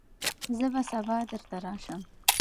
زه به سبا درته راشم.